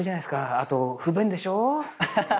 あと不便でしょ？